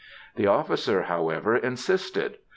The officer, however, insisted.